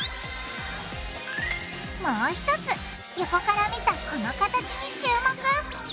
もう一つ横から見たこの形に注目！